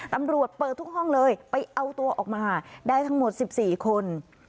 ตำรวจเปิดทุกห้องเลยไปเอาตัวออกมาได้ทั้งหมด๑๔คน